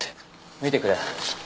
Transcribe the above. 見てくれ。